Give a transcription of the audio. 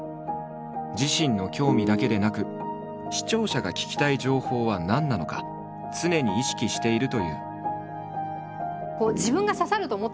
自身の興味だけでなく視聴者が聞きたい情報は何なのか常に意識しているという。